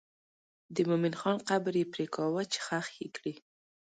د مومن خان قبر یې پرېکاوه چې ښخ یې کړي.